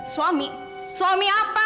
suami suami apa